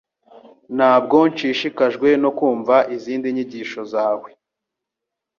Ntabwo nshishikajwe no kumva izindi nyigisho zawe